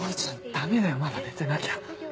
ダメだよまだ寝てなきゃ。